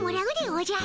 おじゃ。